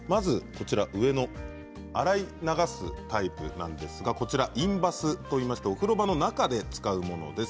上の洗い流すタイプなんですがインバスといいましてお風呂場の中で使うものです。